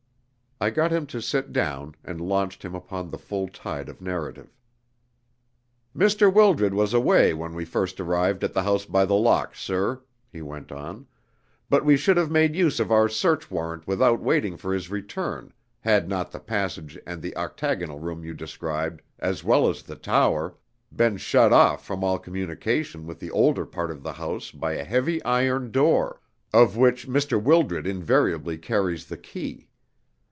I got him to sit down, and launched him upon the full tide of narrative. "Mr. Wildred was away when we first arrived at the House by the Lock, sir," he went on, "but we should have made use of our search warrant without waiting for his return had not the passage and the octagonal room you described, as well as the tower, been shut off from all communication with the older part of the house by a heavy iron door, of which Mr. Wildred invariably carries the key.